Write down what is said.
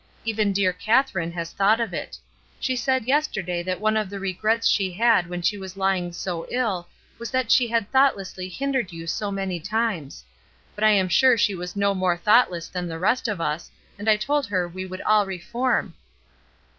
Even dear Katherine has thought of it. She said yesterday that one of the regrets she had when she was lying so ill was that she had thoughtlessly hindered you so many times. But I am sure she was no more thoughtless than the rest of us, and I told her we would all reform."